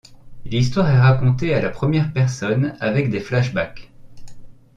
L'histoire est raconté à la première personne avec des flashback.